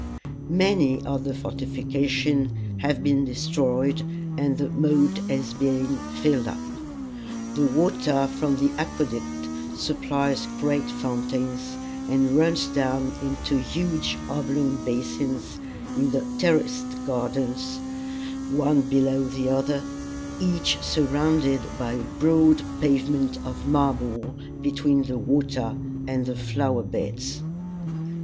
Many of the fortifications have been destroyed, and the moat has been filled up. The water from the aqueduct supplies great fountains, and runs down into huge oblong basins in the terraced gardens, one below the other, each surrounded by a broad pavement of marble between the water and the flower beds.